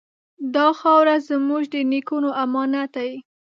دا خاوره زموږ د نیکونو امانت دی.